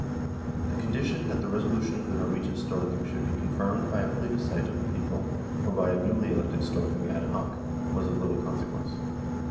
The condition that the re solution of the Norwegian Storthing should be con firmed by a plebiscite of the people or by a newly elected Storthing ad hoc was of little consequence.